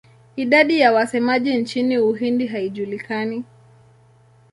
Idadi ya wasemaji nchini Uhindi haijulikani.